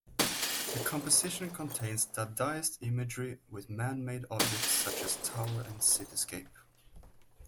The composition contains Dadaist imagery with man-made objects such as a tower and cityscape.